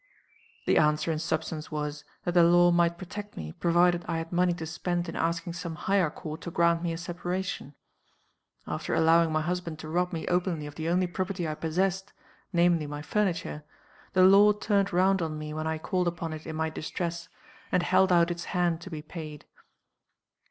"The answer, in substance, was that the law might protect me, provided I had money to spend in asking some higher court to grant me a separation. After allowing my husband to rob me openly of the only property I possessed namely, my furniture the law turned round on me when I called upon it in my distress, and held out its hand to be paid.